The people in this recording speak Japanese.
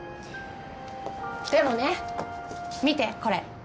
でもね見てこれ。